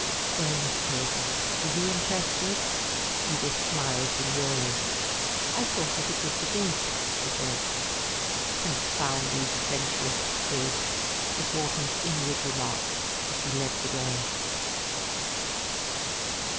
Well, Miss Craven, were you interested?" Edith smiled demurely. "I thought it a good debate," she said. "Confound these Venturist prigs!" was Wharton's inward remark as he led the way.